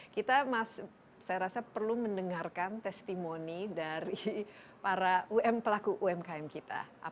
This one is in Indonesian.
kita saya rasa perlu mendengarkan testimoni dari para pelaku umkm kita